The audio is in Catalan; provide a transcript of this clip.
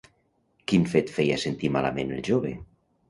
Quin fet feia sentir malament el jove?